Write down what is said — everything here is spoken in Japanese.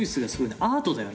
「アートだよね」